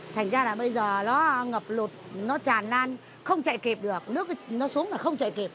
thành ra là bây giờ nó ngập lụt nó tràn lan không chạy kịp được nước nó xuống là không chạy kịp